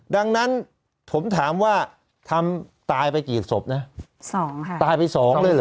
ดังนั้นผมถามว่าทำตายไปกี่ศพนะสองค่ะตายไปสองเลยเหรอ